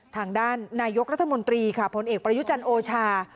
ทางด้านนายกรัฐมนตรีค่ะผลเอกประยุจันทร์โอชา